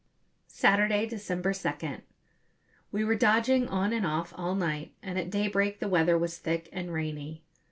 Saturday, December 2nd. We were dodging on and off all night, and at daybreak the weather was thick and rainy.